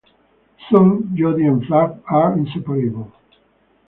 Soon, Jody and Flag are inseparable.